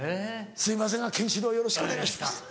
すいませんがケンシロウよろしくお願いします。